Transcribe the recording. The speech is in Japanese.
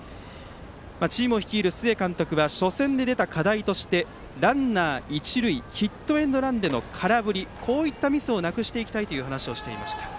チームを率いる須江監督は初戦で出た課題としてランナー、一塁ヒットエンドランでの空振りのようなミスをなくしていきたいと話していました。